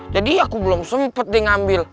jadi aku belum sempet deh ngambil